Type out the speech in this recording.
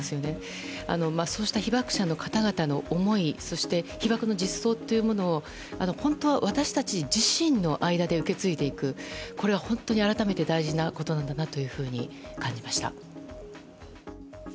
そうした被爆者の方々の思いそして、被爆の実相というものを本当は私たち自身の間で受け継いでいく、これは本当に改めて大事なことなんだなと